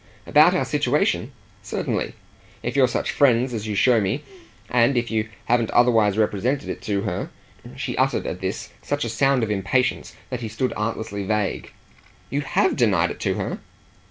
"About our situation? Certainly, if you're such friends as you show me and if you haven't otherwise represented it to her." She uttered at this such a sound of impatience that he stood artlessly vague. "You HAVE denied it to her?"